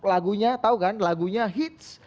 lagunya tau kan lagunya hits